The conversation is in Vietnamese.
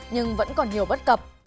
nhưng vẫn còn nhiều bất cập